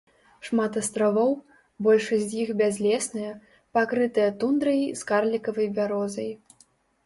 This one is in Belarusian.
Шмат астравоў, большасць з іх бязлесныя, пакрытыя тундрай з карлікавай бярозай.